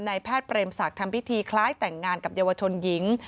แพทย์เปรมศักดิ์ทำพิธีคล้ายแต่งงานกับเยาวชนหญิง